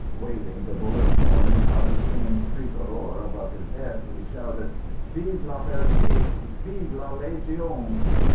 Waving the bullet torn, powder stained tricolour above his head, he shouted: "Vive la Belgique! Vive la Légion!"